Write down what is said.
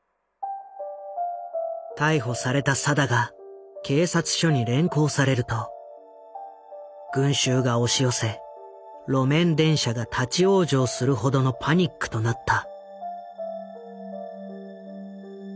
逮捕された定が警察署に連行されると群衆が押し寄せ路面電車が立往生するほどのパニックとなった。